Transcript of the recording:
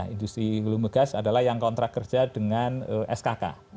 industri hulu migas adalah yang kontrak kerja dengan skk